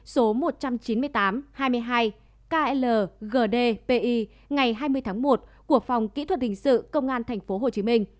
số một trăm chín mươi tám hai mươi hai kld pi ngày hai mươi tháng một của phòng kỹ thuật hình sự công an tp hcm